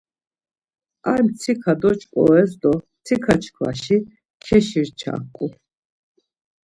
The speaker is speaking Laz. Ar mtsika doç̌ǩores do mtsika çkvaşi keşirçaǩu.